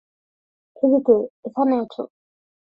এদিকে, এখানে ওঠো!